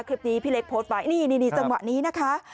คลิปนี้พี่เล็กโพสต์ไว้นี่นี่นี่นี่จังหวะนี้นะคะ